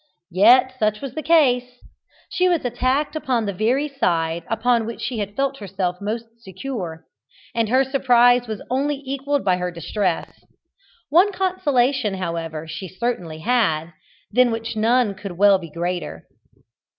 Yet such was the case. She was attacked upon the very side upon which she had felt herself most secure, and her surprise was only equalled by her distress. One consolation, however, she certainly had, than which none could well be greater.